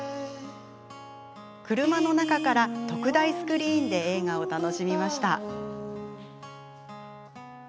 車の中から特大スクリーンで映画を楽しみました。